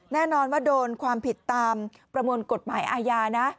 แน่นอนว่าโดนความผิดตามประมวลกฎหมายอาญานะ